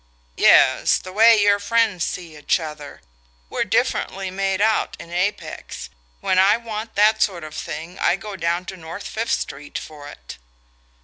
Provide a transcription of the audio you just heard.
"Yes the way your friends see each other. We're differently made out in Apex. When I want that sort of thing I go down to North Fifth Street for it."